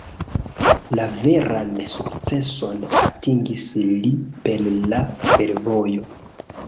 La veran sukceson atingis li per la fervojo.